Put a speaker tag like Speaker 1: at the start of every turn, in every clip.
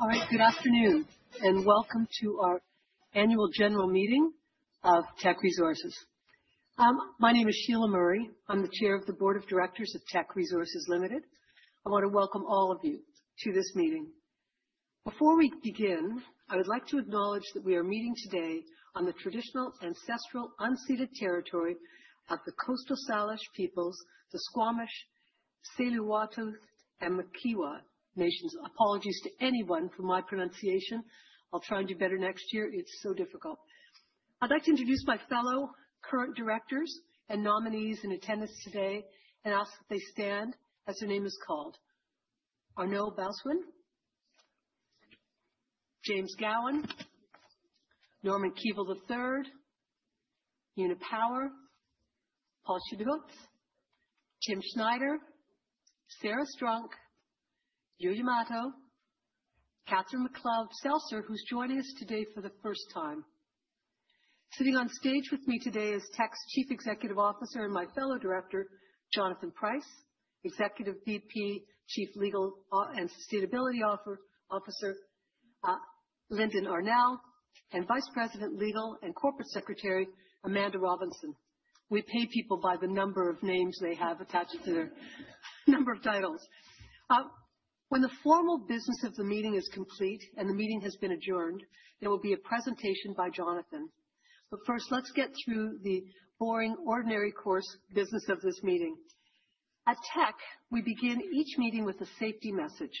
Speaker 1: All right, good afternoon, and welcome to our annual general meeting of Teck Resources. My name is Sheila Murray. I'm the Chair of the Board of Directors of Teck Resources Limited. I want to welcome all of you to this meeting. Before we begin, I would like to acknowledge that we are meeting today on the traditional ancestral unceded territory of the Coastal Salish peoples, the Squamish, Tsleil-Waututh, and Musqueam Nations. Apologies to anyone for my pronunciation. I'll try and do better next year. It's so difficult. I'd like to introduce my fellow current directors and nominees in attendance today and ask that they stand as their name is called. Arnoud Balhuizen, James Gowans, Norman Keevil III, Una Power, Paul Schiodtz, Tim Snider, Sarah Strunk, Yu Yamato, Catherine McLeod-Seltzer, who's joining us today for the first time. Sitting on stage with me today is Teck's Chief Executive Officer and my fellow director, Jonathan Price, Executive VP, Chief Legal and Sustainability Officer, Lyndon Arnell, and Vice President, Legal and Corporate Secretary, Amanda Robinson. We pay people by the number of names they have attached to their number of titles. When the formal business of the meeting is complete and the meeting has been adjourned, there will be a presentation by Jonathan. But first, let's get through the boring, ordinary course business of this meeting. At Teck, we begin each meeting with a safety message.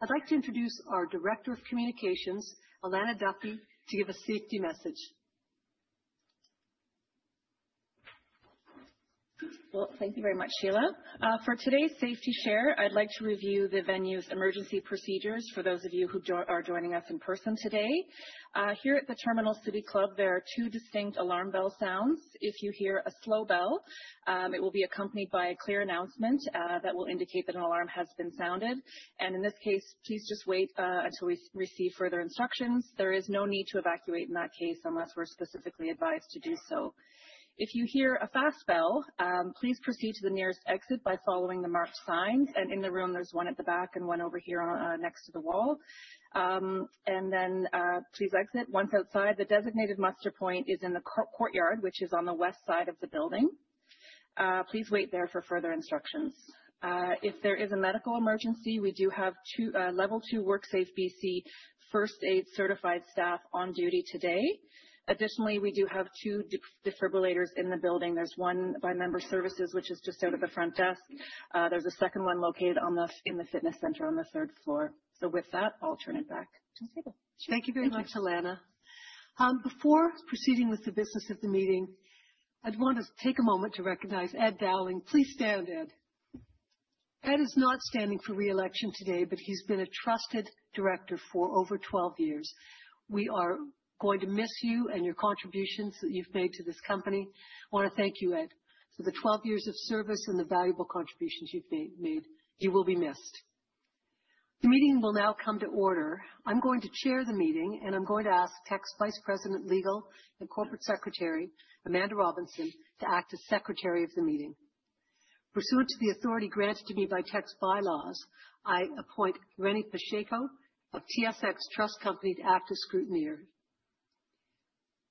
Speaker 1: I'd like to introduce our Director of Communications, Alanna Duffy, to give a safety message.
Speaker 2: Thank you very much, Sheila. For today's safety share, I'd like to review the venue's emergency procedures for those of you who are joining us in-person today. Here at the Terminal City Club, there are two distinct alarm bell sounds. If you hear a slow bell, it will be accompanied by a clear announcement that will indicate that an alarm has been sounded. In this case, please just wait until we receive further instructions. There is no need to evacuate in that case unless we're specifically advised to do so. If you hear a fast bell, please proceed to the nearest exit by following the marked signs. In the room, there's one at the back and one over here next to the wall. Please exit. Once outside, the designated muster point is in the courtyard, which is on the west side of the building. Please wait there for further instructions. If there is a medical emergency, we do have two Level 2 WorkSafeBC first aid certified staff on duty today. Additionally, we do have two defibrillators in the building. There's one by Member Services, which is just out of the front desk. There's a second one located in the fitness center on the third floor. So with that, I'll turn it back to Sheila.
Speaker 1: Thank you very much, Alanna. Before proceeding with the business of the meeting, I'd want to take a moment to recognize Ed Dowling. Please stand, Ed. Ed is not standing for reelection today, but he's been a trusted director for over 12 years. We are going to miss you and your contributions that you've made to this company. I want to thank you, Ed, for the 12 years of service and the valuable contributions you've made. You will be missed. The meeting will now come to order. I'm going to chair the meeting, and I'm going to ask Teck's Vice President, Legal and Corporate Secretary, Amanda Robinson, to act as Secretary of the meeting. Pursuant to the authority granted to me by Teck's bylaws, I appoint Renny Pacheco of TSX Trust Company to act as Scrutineer.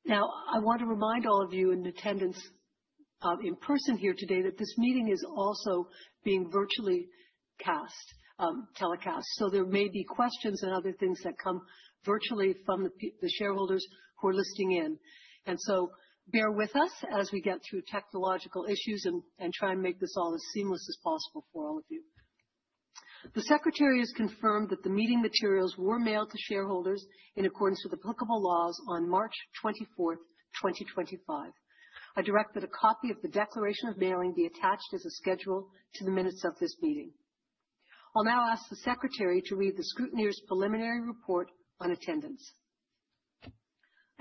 Speaker 1: Now, I want to remind all of you in attendance in person here today that this meeting is also being virtually cast, telecast. So there may be questions and other things that come virtually from the shareholders who are listening in. And so bear with us as we get through technological issues and try and make this all as seamless as possible for all of you. The Secretary has confirmed that the meeting materials were mailed to shareholders in accordance with applicable laws on 24 March 2025. I directed a copy of the declaration of mailing be attached as a schedule to the minutes of this meeting. I'll now ask the Secretary to read the Scrutineer's preliminary report on attendance.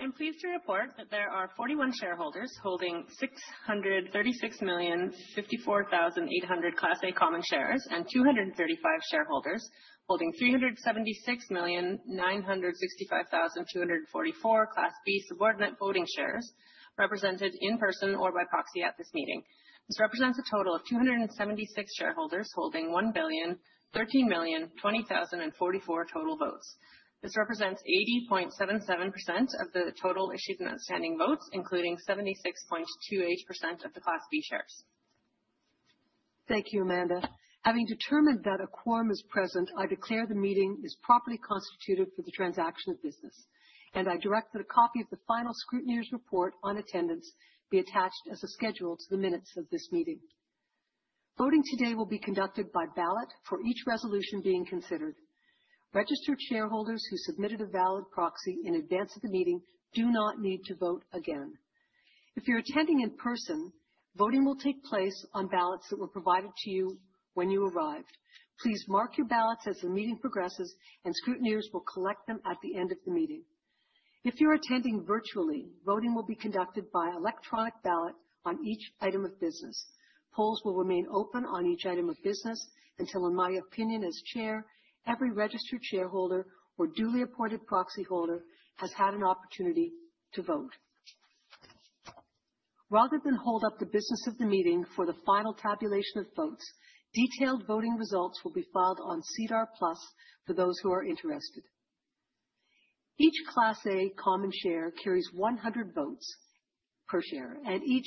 Speaker 3: I'm pleased to report that there are 41 shareholders holding 636,054,800 Class A common shares and 235 shareholders holding 376,965,244 Class B subordinate voting shares represented in person or by proxy at this meeting. This represents a total of 276 shareholders holding 1,013,020,044 total votes. This represents 80.77% of the total issued and outstanding votes, including 76.28% of the Class B shares.
Speaker 1: Thank you, Amanda. Having determined that a quorum is present, I declare the meeting is properly constituted for the transaction of business, and I directed a copy of the final Scrutineer's report on attendance be attached as a schedule to the minutes of this meeting. Voting today will be conducted by ballot for each resolution being considered. Registered shareholders who submitted a valid proxy in advance of the meeting do not need to vote again. If you're attending in-person, voting will take place on ballots that were provided to you when you arrived. Please mark your ballots as the meeting progresses, and scrutineers will collect them at the end of the meeting. If you're attending virtually, voting will be conducted by electronic ballot on each item of business. Polls will remain open on each item of business until, in my opinion as Chair, every registered shareholder or duly appointed proxy holder has had an opportunity to vote. Rather than hold up the business of the meeting for the final tabulation of votes, detailed voting results will be filed on SEDAR+ for those who are interested. Each Class A common share carries 100 votes per share, and each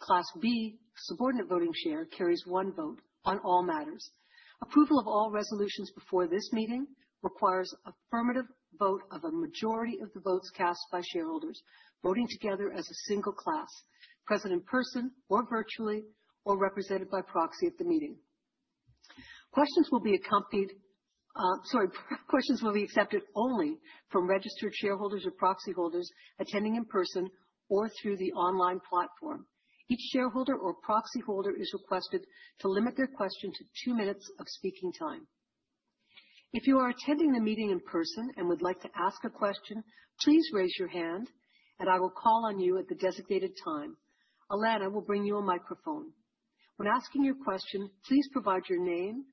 Speaker 1: Class B subordinate voting share carries one vote on all matters. Approval of all resolutions before this meeting requires affirmative vote of a majority of the votes cast by shareholders voting together as a single class, present in person or virtually, or represented by proxy at the meeting. Questions will be accompanied, sorry, questions will be accepted only from registered shareholders or proxy holders attending in person or through the online platform. Each shareholder or proxy holder is requested to limit their question to two minutes of speaking time. If you are attending the meeting in-person and would like to ask a question, please raise your hand, and I will call on you at the designated time. Alanna will bring you a microphone. When asking your question, please provide your name,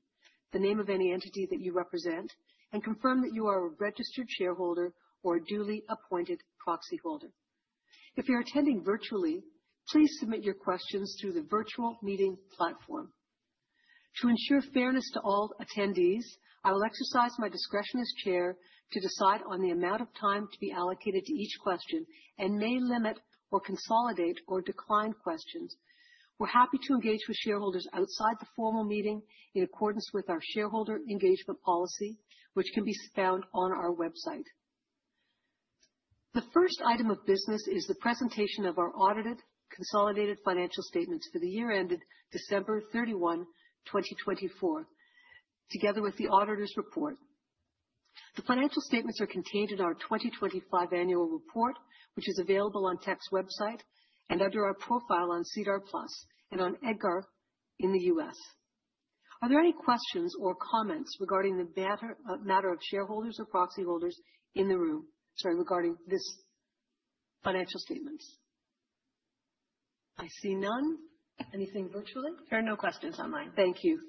Speaker 1: the name of any entity that you represent, and confirm that you are a registered shareholder or a duly appointed proxy holder. If you're attending virtually, please submit your questions through the virtual meeting platform. To ensure fairness to all attendees, I will exercise my discretion as Chair to decide on the amount of time to be allocated to each question and may limit or consolidate or decline questions. We're happy to engage with shareholders outside the formal meeting in accordance with our shareholder engagement policy, which can be found on our website. The first item of business is the presentation of our audited consolidated financial statements for the year ended 31 December 2024, together with the auditor's report. The financial statements are contained in our 2025 annual report, which is available on Teck's website and under our profile on SEDAR+ and on EDGAR in the US Are there any questions or comments regarding the matter of shareholders or proxy holders in the room, sorry, regarding these financial statements? I see none. Anything virtually?
Speaker 3: There are no questions online.
Speaker 1: Thank you.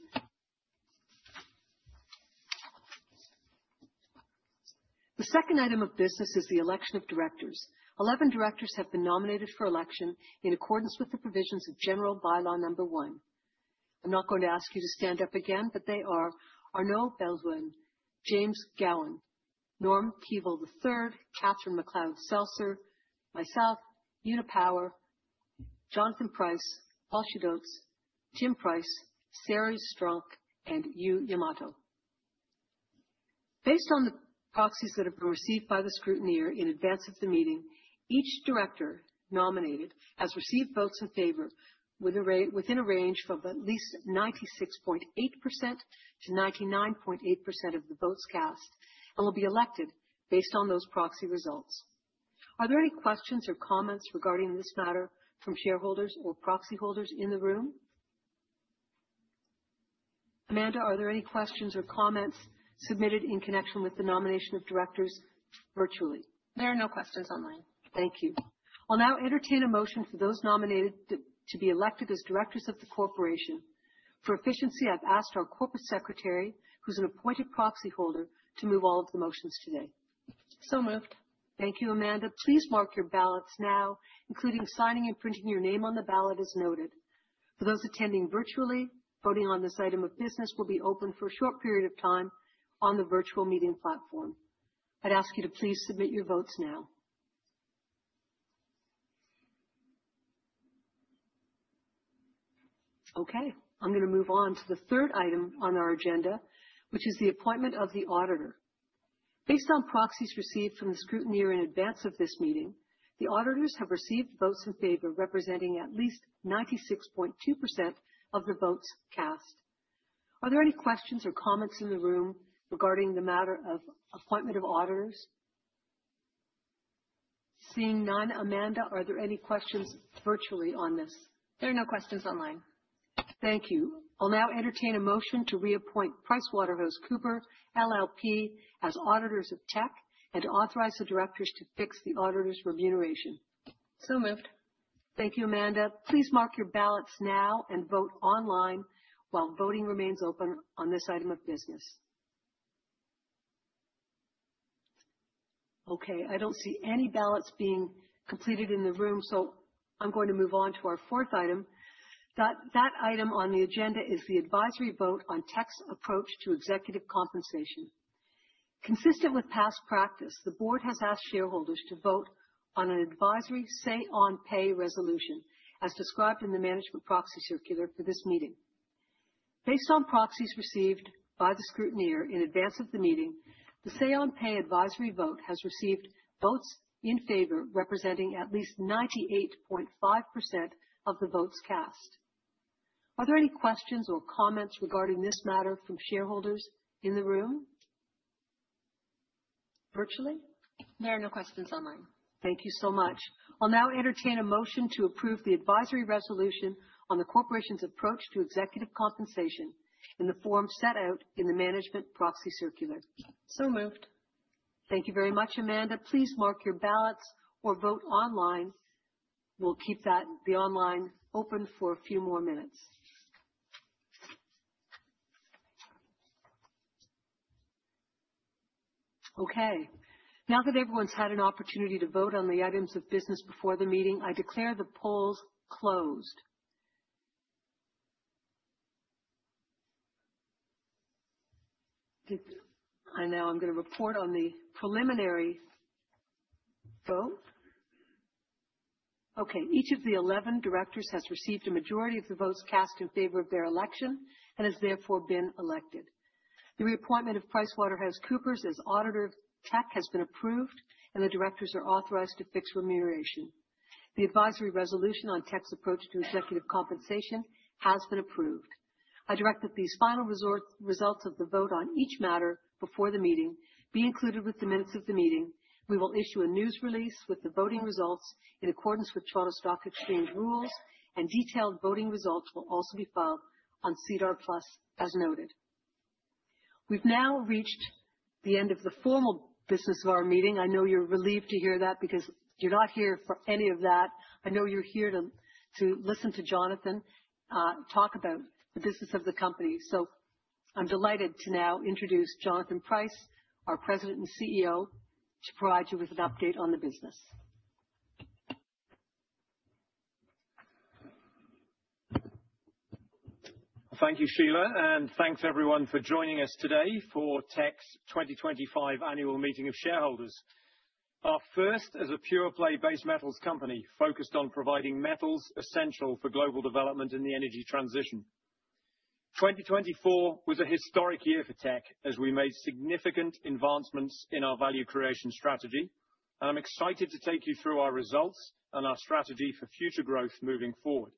Speaker 1: The second item of business is the election of directors. Eleven directors have been nominated for election in accordance with the provisions of General By-law No. 1. I'm not going to ask you to stand up again, but they are Arnoud Balhuizen, James Gowans, Norman Keevil III, Catherine McLeod-Seltzer, myself, Una Power, Jonathan Price, Paul Schiodtz, Tim Snider, Sarah Strunk, and Yu Yamato. Based on the proxies that have been received by the Scrutineer in advance of the meeting, each director nominated has received votes in favor within a range of at least 96.8% to 99.8% of the votes cast and will be elected based on those proxy results. Are there any questions or comments regarding this matter from shareholders or proxy holders in the room? Amanda, are there any questions or comments submitted in connection with the nomination of directors virtually?
Speaker 3: There are no questions online.
Speaker 1: Thank you. I'll now entertain a motion for those nominated to be elected as directors of the corporation. For efficiency, I've asked our Corporate Secretary, who's an appointed proxy holder, to move all of the motions today.
Speaker 3: So moved.
Speaker 1: Thank you, Amanda. Please mark your ballots now, including signing and printing your name on the ballot as noted. For those attending virtually, voting on this item of business will be open for a short period of time on the virtual meeting platform. I'd ask you to please submit your votes now. Okay, I'm going to move on to the third item on our agenda, which is the appointment of the auditor. Based on proxies received from the Scrutineer in advance of this meeting, the auditors have received votes in favor representing at least 96.2% of the votes cast. Are there any questions or comments in the room regarding the matter of appointment of auditors? Seeing none, Amanda, are there any questions virtually on this?
Speaker 3: There are no questions online.
Speaker 1: Thank you. I'll now entertain a motion to reappoint PricewaterhouseCoopers LLP as auditors of Teck and authorize the directors to fix the auditor's remuneration.
Speaker 3: So moved.
Speaker 1: Thank you, Amanda. Please mark your ballots now and vote online while voting remains open on this item of business. Okay, I don't see any ballots being completed in the room, so I'm going to move on to our fourth item. That item on the agenda is the advisory vote on Teck's approach to executive compensation. Consistent with past practice, the board has asked shareholders to vote on an advisory say on pay resolution as described in the Management Proxy Circular for this meeting. Based on proxies received by the Scrutineer in advance of the meeting, the say-on-pay advisory vote has received votes in favor representing at least 98.5% of the votes cast. Are there any questions or comments regarding this matter from shareholders in the room? Virtually?
Speaker 3: There are no questions online.
Speaker 1: Thank you so much. I'll now entertain a motion to approve the advisory resolution on the corporation's approach to executive compensation in the form set out in the Management Proxy Circular.
Speaker 3: So moved.
Speaker 1: Thank you very much, Amanda. Please mark your ballots or vote online. We'll keep the online open for a few more minutes. Okay, now that everyone's had an opportunity to vote on the items of business before the meeting, I declare the polls closed. I know I'm going to report on the preliminary vote. Okay, each of the 11 directors has received a majority of the votes cast in favor of their election and has therefore been elected. The reappointment of PricewaterhouseCoopers as Auditor of Teck has been approved, and the directors are authorized to fix remuneration. The advisory resolution on Teck's approach to executive compensation has been approved. I direct that these final results of the vote on each matter before the meeting be included with the minutes of the meeting. We will issue a news release with the voting results in accordance with [Toronto] Stock Exchange rules, and detailed voting results will also be filed on SEDAR+ as noted. We've now reached the end of the formal business of our meeting. I know you're relieved to hear that because you're not here for any of that. I know you're here to listen to Jonathan talk about the business of the company. So I'm delighted to now introduce Jonathan Price, our President and CEO, to provide you with an update on the business.
Speaker 4: Thank you, Sheila, and thanks everyone for joining us today for Teck's 2025 Annual Meeting of Shareholders. Our first as a pure play-based metals company focused on providing metals essential for global development in the energy transition. 2024 was a historic year for Teck as we made significant advancements in our value creation strategy, and I'm excited to take you through our results and our strategy for future growth moving forward.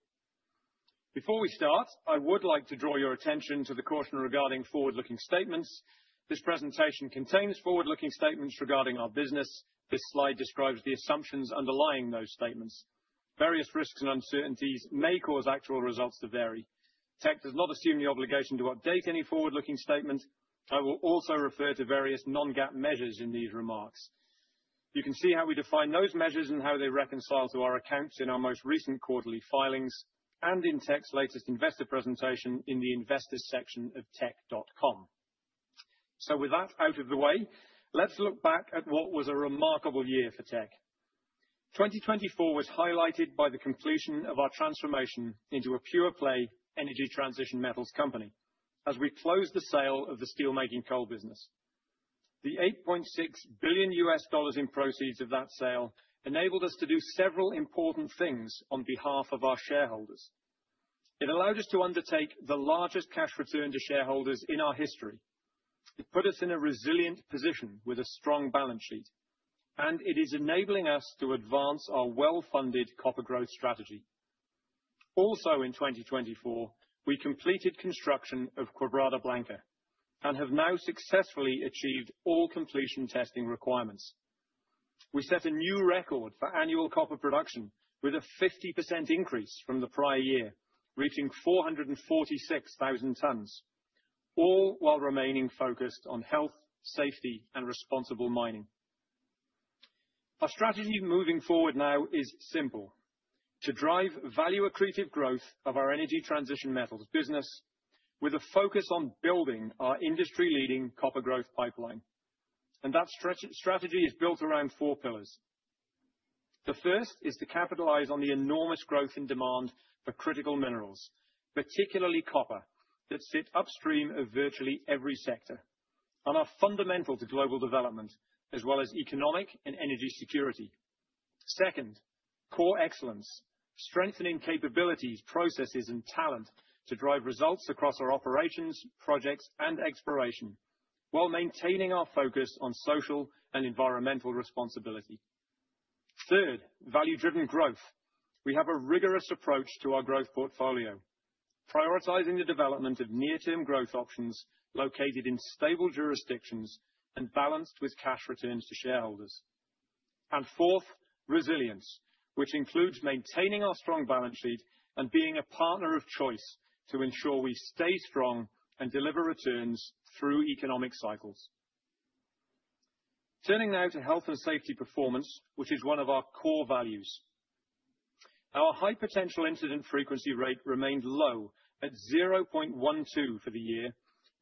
Speaker 4: Before we start, I would like to draw your attention to the caution regarding forward-looking statements. This presentation contains forward-looking statements regarding our business. This slide describes the assumptions underlying those statements. Various risks and uncertainties may cause actual results to vary. Teck does not assume the obligation to update any forward-looking statements. I will also refer to various non-GAAP measures in these remarks. You can see how we define those measures and how they reconcile to our accounts in our most recent quarterly filings and in Teck's latest investor presentation in the Investors section of teck.com. So with that out of the way, let's look back at what was a remarkable year for Teck. 2024 was highlighted by the completion of our transformation into a pure play energy transition metals company as we closed the sale of the steelmaking coal business. The CAD 8.6 billion in proceeds of that sale enabled us to do several important things on behalf of our shareholders. It allowed us to undertake the largest cash return to shareholders in our history. It put us in a resilient position with a strong balance sheet, and it is enabling us to advance our well-funded copper growth strategy. Also, in 2024, we completed construction of Quebrada Blanca and have now successfully achieved all completion testing requirements. We set a new record for annual copper production with a 50% increase from the prior year, reaching 446,000 tons, all while remaining focused on health, safety, and responsible mining. Our strategy moving forward now is simple: to drive value-accretive growth of our energy transition metals business with a focus on building our industry-leading copper growth pipeline. And that strategy is built around four pillars. The first is to capitalize on the enormous growth in demand for critical minerals, particularly copper, that sit upstream of virtually every sector and are fundamental to global development as well as economic and energy security. Second, core excellence, strengthening capabilities, processes, and talent to drive results across our operations, projects, and exploration while maintaining our focus on social and environmental responsibility. Third, value-driven growth. We have a rigorous approach to our growth portfolio, prioritizing the development of near-term growth options located in stable jurisdictions and balanced with cash returns to shareholders, and fourth, resilience, which includes maintaining our strong balance sheet and being a partner of choice to ensure we stay strong and deliver returns through economic cycles. Turning now to health and safety performance, which is one of our core values. Our high-potential potential incident frequency rate remained low at 0.12 for the year,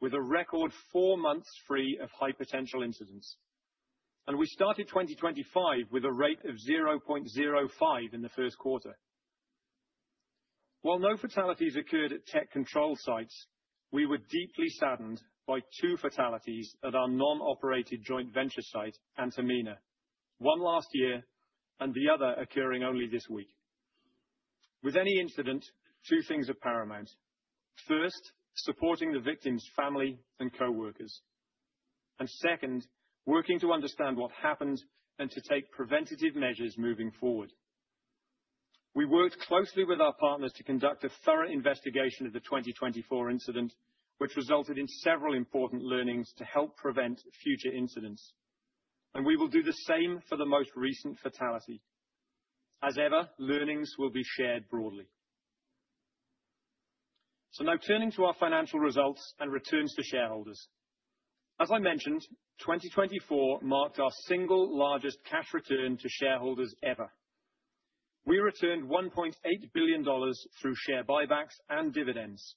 Speaker 4: with a record four months free of high-potential incidents, and we started 2025 with a rate of 0.05 in the Q1. While no fatalities occurred at Teck-controlled sites, we were deeply saddened by two fatalities at our non-operated joint venture site, Antamina, one last year and the other occurring only this week. With any incident, two things are paramount. First, supporting the victim's family and coworkers. And second, working to understand what happened and to take preventative measures moving forward. We worked closely with our partners to conduct a thorough investigation of the 2024 incident, which resulted in several important learnings to help prevent future incidents. And we will do the same for the most recent fatality. As ever, learnings will be shared broadly. So now turning to our financial results and returns to shareholders. As I mentioned, 2024 marked our single largest cash return to shareholders ever. We returned 1.8 billion dollars through share buybacks and dividends,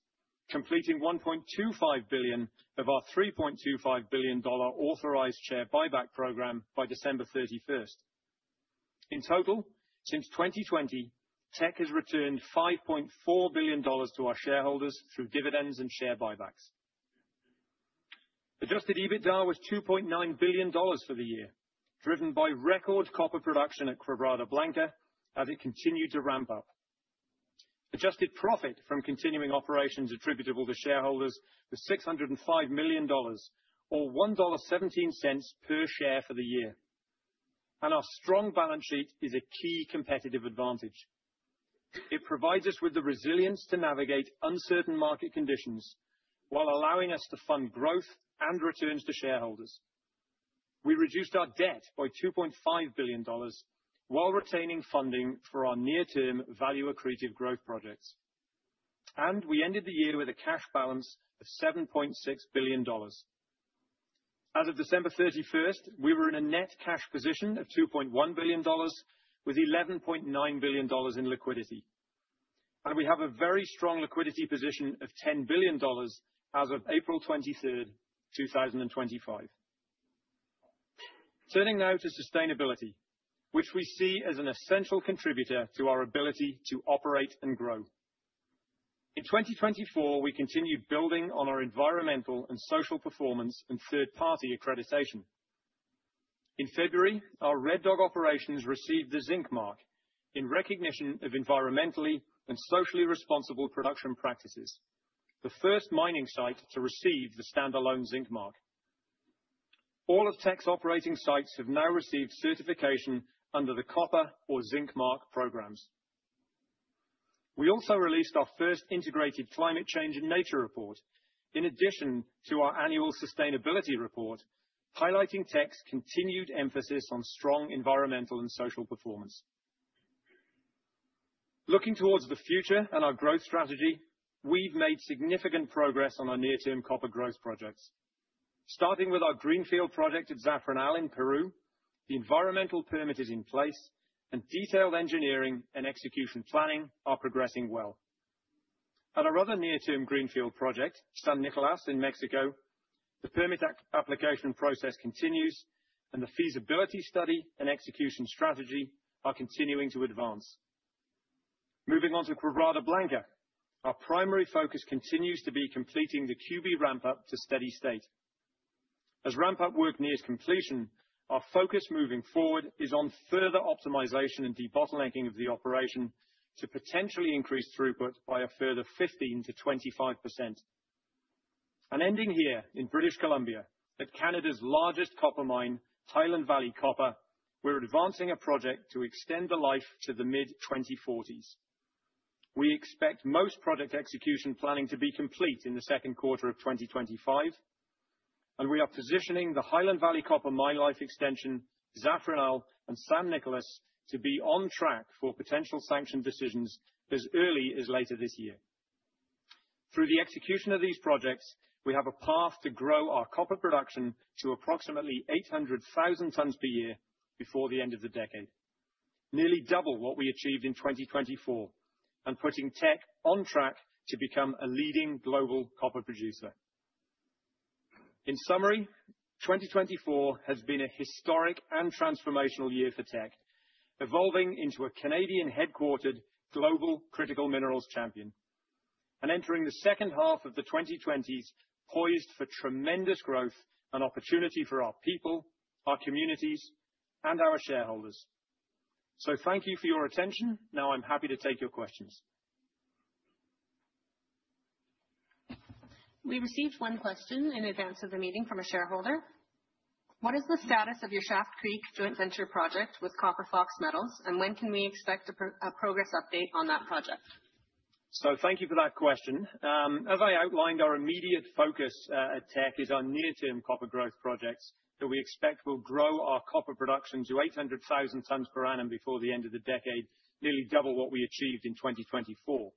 Speaker 4: completing 1.25 billion of our 3.25 billion dollar authorized share buyback program by 31 December. In total, since 2020, Teck has returned CAD 5.4 billion to our shareholders through dividends and share buybacks. Adjusted EBITDA was 2.9 billion dollars for the year, driven by record copper production at Quebrada Blanca as it continued to ramp up. Adjusted profit from continuing operations attributable to shareholders was 605 million dollars, or 1.17 dollar per share for the year. Our strong balance sheet is a key competitive advantage. It provides us with the resilience to navigate uncertain market conditions while allowing us to fund growth and returns to shareholders. We reduced our debt by 2.5 billion dollars while retaining funding for our near-term value-accretive growth projects. We ended the year with a cash balance of 7.6 billion dollars. As of 31 December, we were in a net cash position of 2.1 billion dollars, with 11.9 billion dollars in liquidity. We have a very strong liquidity position of 10 billion dollars as of 23 April 2025. Turning now to sustainability, which we see as an essential contributor to our ability to operate and grow. In 2024, we continued building on our environmental and social performance and third-party accreditation. In February, our Red Dog Operations received the Zinc Mark in recognition of environmentally and socially responsible production practices, the first mining site to receive the standalone Zinc Mark. All of Teck's operating sites have now received certification under the Copper or Zinc Mark programs. We also released our first Integrated Climate Change and Nature Report, in addition to our Annual Sustainability Report, highlighting Teck's continued emphasis on strong environmental and social performance. Looking towards the future and our growth strategy, we've made significant progress on our near-term copper growth projects. Starting with our greenfield project at Zafranal in Peru, the environmental permit is in place, and detailed engineering and execution planning are progressing well. At our other near-term greenfield project, San Nicolás in Mexico, the permit application process continues, and the feasibility study and execution strategy are continuing to advance. Moving on to Quebrada Blanca, our primary focus continues to be completing the QB ramp-up to steady state. As ramp-up work nears completion, our focus moving forward is on further optimization and debottlenecking of the operation to potentially increase throughput by a further 15% to 25%. Ending here in British Columbia, at Canada's largest copper mine, Highland Valley Copper, we're advancing a project to extend the life to the mid-2040s. We expect most project execution planning to be complete in the Q2 of 2025, and we are positioning the Highland Valley Copper Mine Life Extension, Zafranal, and San Nicolás to be on track for potential sanction decisions as early as later this year. Through the execution of these projects, we have a path to grow our copper production to approximately 800,000 tons per year before the end of the decade, nearly double what we achieved in 2024, and putting Teck on track to become a leading global copper producer. In summary, 2024 has been a historic and transformational year for Teck, evolving into a Canadian-headquartered global critical minerals champion and entering the H2 of the 2020s poised for tremendous growth and opportunity for our people, our communities, and our shareholders. So thank you for your attention. Now I'm happy to take your questions.
Speaker 3: We received one question in advance of the meeting from a shareholder. What is the status of your Shaft Creek Joint Venture project with Copper Fox Metals, and when can we expect a progress update on that project?
Speaker 4: So thank you for that question. As I outlined, our immediate focus at Teck is our near-term copper growth projects that we expect will grow our copper production to 800,000 tons per annum before the end of the decade, nearly double what we achieved in 2024.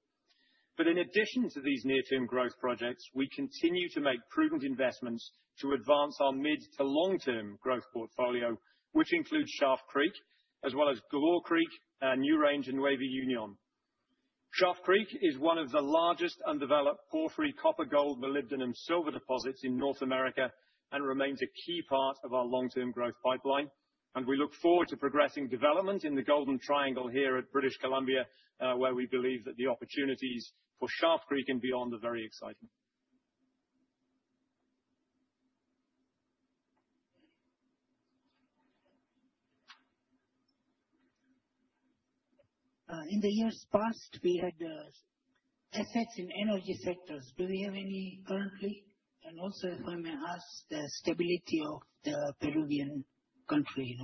Speaker 4: But in addition to these near-term growth projects, we continue to make prudent investments to advance our mid- to long-term growth portfolio, which includes Shaft Creek, as well as Galore Creek, NewRange, and Nueva Unión. Shaft Creek is one of the largest undeveloped porphyry copper, gold, molybdenum, and silver deposits in North America and remains a key part of our long-term growth pipeline. And we look forward to progressing development in the Golden Triangle here at British Columbia, where we believe that the opportunities for Shaft Creek and beyond are very exciting. In the years past, we had assets in energy sectors. Do we have any currently? And also, if I may ask, the stability of the Peruvian country,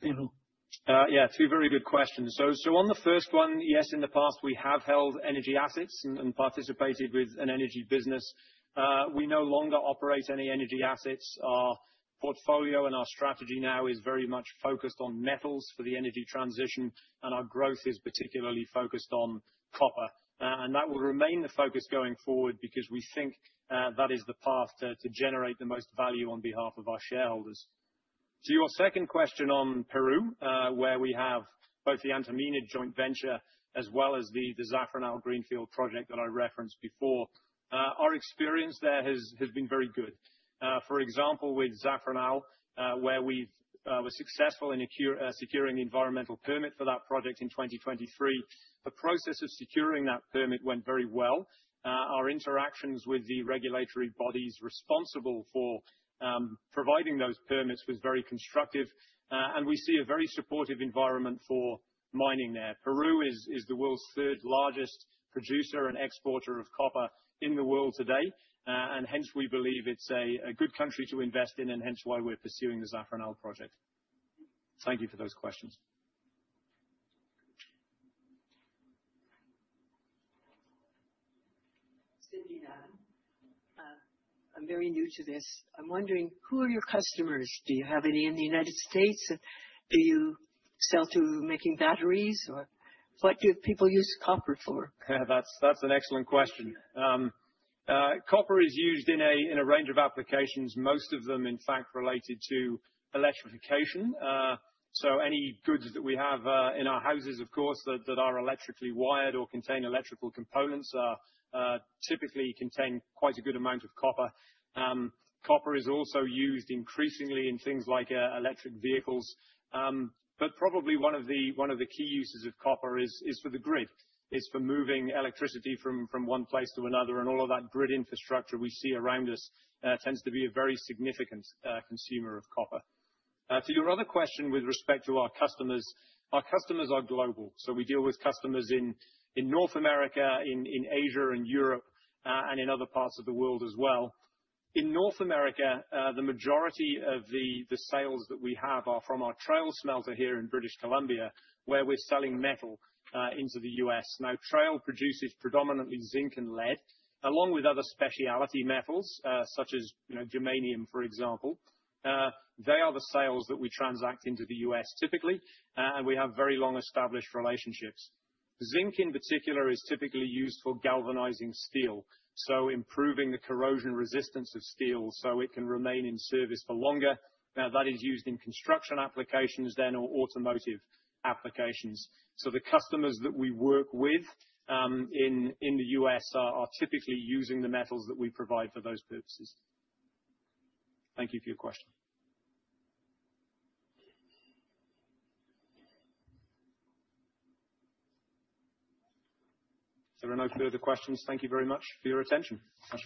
Speaker 4: Peru? Yeah, two very good questions. So on the first one, yes, in the past, we have held energy assets and participated with an energy business. We no longer operate any energy assets. Our portfolio and our strategy now is very much focused on metals for the energy transition, and our growth is particularly focused on copper. And that will remain the focus going forward because we think that is the path to generate the most value on behalf of our shareholders. To your second question on Peru, where we have both the Antamina joint venture as well as the Zafranal greenfield project that I referenced before, our experience there has been very good. For example, with Zafranal, where we were successful in securing the environmental permit for that project in 2023, the process of securing that permit went very well. Our interactions with the regulatory bodies responsible for providing those permits was very constructive, and we see a very supportive environment for mining there. Peru is the world's third largest producer and exporter of copper in the world today, and hence we believe it's a good country to invest in, and hence why we're pursuing the Zafranal Project. Thank you for those questions. [Sydney Nathan], I'm very new to this. I'm wondering, who are your customers? Do you have any in the United States? Do you sell to making batteries? Or what do people use copper for? That's an excellent question. Copper is used in a range of applications, most of them, in fact, related to electrification. So any goods that we have in our houses, of course, that are electrically wired or contain electrical components typically contain quite a good amount of copper. Copper is also used increasingly in things like electric vehicles. But probably one of the key uses of copper is for the grid. It's for moving electricity from one place to another. And all of that grid infrastructure we see around us tends to be a very significant consumer of copper. To your other question with respect to our customers, our customers are global. So we deal with customers in North America, in Asia, and Europe, and in other parts of the world as well. In North America, the majority of the sales that we have are from our Trail smelter here in British Columbia, where we're selling metal into the US Now, Trail produces predominantly zinc and lead, along with other specialty metals such as germanium, for example. They are the sales that we transact into the US typically, and we have very long-established relationships. Zinc, in particular, is typically used for galvanizing steel, so improving the corrosion resistance of steel so it can remain in service for longer. That is used in construction applications then or automotive applications. So the customers that we work with in the US are typically using the metals that we provide for those purposes. Thank you for your question. There are no further questions. Thank you very much for your attention. Thanks.